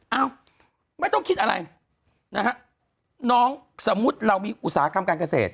เอ้าไม่ต้องคิดอะไรนะฮะน้องสมมุติเรามีอุตสาหกรรมการเกษตร